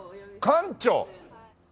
館長！？